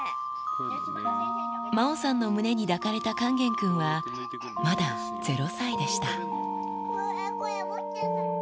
麻央さんの胸に抱かれた勸玄君は、まだゼロ歳でした。